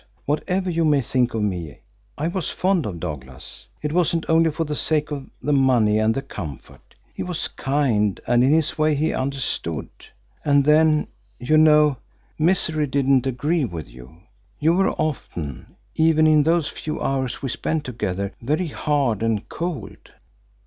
Whatever you may think of me, I was fond of Douglas. It wasn't only for the sake of the money and the comfort. He was kind, and in his way he understood. And then, you know, misery didn't agree with you. You were often, even in those few hours we spent together, very hard and cold.